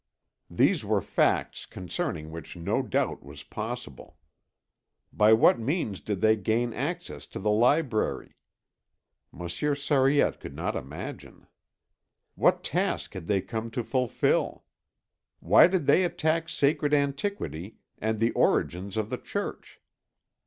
These were facts concerning which no doubt was possible. By what means did they gain access to the library? Monsieur Sariette could not imagine. What task had they come to fulfil? Why did they attack sacred antiquity and the origins of the Church?